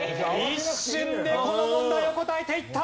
一瞬でこの問題を答えていった。